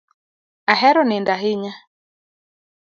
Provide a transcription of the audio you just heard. Ahero nindo ahinya